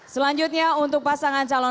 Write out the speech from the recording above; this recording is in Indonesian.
selanjutnya untuk pasangan calon